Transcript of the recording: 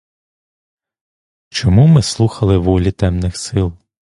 Чому ми слухали волі темних сил?